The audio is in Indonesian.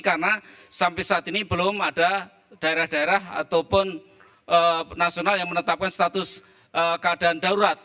karena sampai saat ini belum ada daerah daerah ataupun nasional yang menetapkan status keadaan daurat